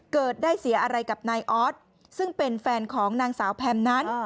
เกิดได้เสียอะไรกับนายออสซึ่งเป็นแฟนของนางสาวแพมนั้น